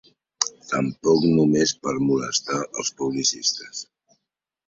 Tampoc només per molestar els publicistes.